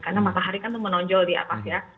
karena matahari kan itu menonjol di atas ya